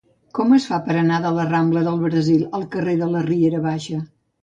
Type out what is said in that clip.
Com es fa per anar de la rambla del Brasil al carrer de la Riera Baixa?